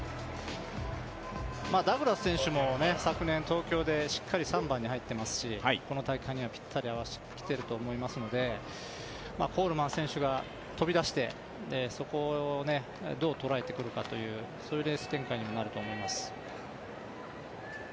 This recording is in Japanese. ド・グラス選手も今回しっかり３番に入ってますし、この大会に合わせてきてますのでコールマン選手が飛び出してそこをどう捉えてくるかというそういうレース展開になると思います。